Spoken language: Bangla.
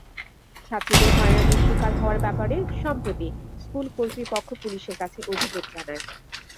ছাত্রীদের হয়রানির শিকার হওয়ার ব্যাপারে সম্প্রতি স্কুল কর্তৃপক্ষ পুলিশের কাছে অভিযোগ জানায়।